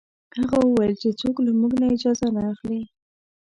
هغه وویل چې څوک له موږ نه اجازه نه اخلي.